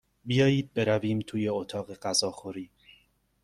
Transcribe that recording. بیایید برویم توی اتاق غذاخوری.